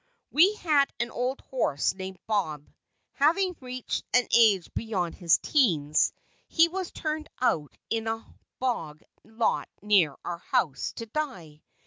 We had an old horse named "Bob." Having reached an age beyond his teens, he was turned out in a bog lot near our house to die.